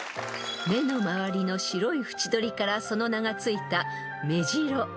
［目の周りの白い縁取りからその名が付いた］